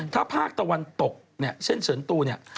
ถ้าภาคตะวันตกเนี่ยเช่นเฉินตูเนี่ย